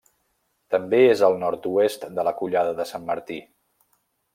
També és al nord-oest de la Collada de Sant Martí.